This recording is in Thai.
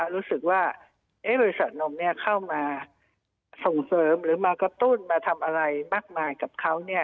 รู้สึกว่าบริษัทนมเข้ามาส่งเสริมหรือมากระตุ้นมาทำอะไรมากมายกับเขา